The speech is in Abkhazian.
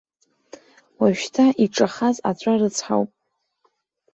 Уажәшьҭа иҿахаз аҵәа рыцҳауп.